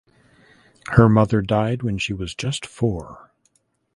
Her mother died when she was just four.